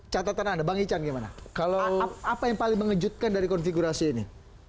catatan anda bang ican gimana kalau apa yang paling mengejutkan dari konfigurasi ini